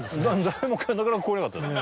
材木屋なかなか超えなかったです。